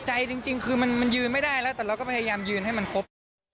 ใจจริงคือมันยืนไม่ได้แล้วแต่เราก็พยายามยืนให้มันครบ